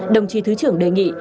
đồng chí thứ trưởng đề nghị